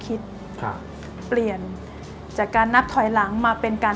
คุณหมอคุณไร่สามารถจะเป็นที่เพิ่งให้เราได้